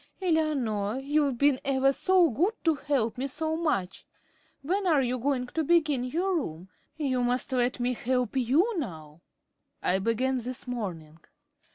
Eleanor, you've been ever so good to help me so much. When are you going to begin your room? You must let me help you now." "I began this morning."